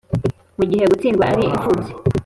mugihe gutsindwa ari impfubyi